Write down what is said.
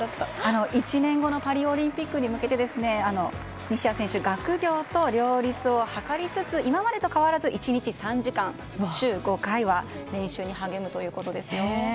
１年後のパリオリンピックに向けて西矢選手、学業と両立を図りつつ今までと変わらず１日３時間週５回は練習に励むということですよ。